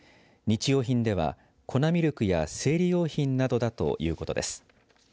日用品では粉ミルクや生理用品などだということです。